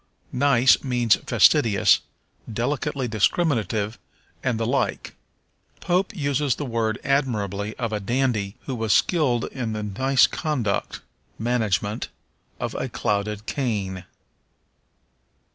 Nice means fastidious, delicately discriminative, and the like. Pope uses the word admirably of a dandy who was skilled in the nice conduct [management] of a clouded cane.